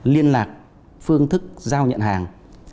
liên lạc phương thức giao nhận hàng